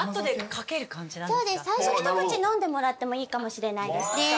最初一口飲んでもらってもいいかもしれないですね。